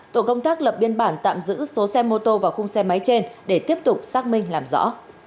tổ công tác lập biên bản tạm giữ số xe mô tô và khung xe máy trên để tiếp tục xác minh làm rõ